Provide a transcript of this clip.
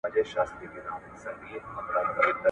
خو هرګوره د انسان دغه آیین دی `